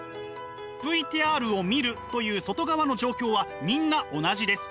ＶＴＲを見るという外側の状況はみんな同じです。